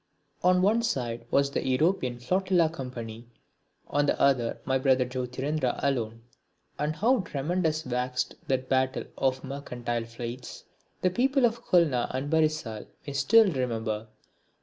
On one side was the European Flotilla Company, on the other my brother Jyotirindra alone; and how tremendous waxed that battle of the mercantile fleets, the people of Khulna and Barisal may still remember.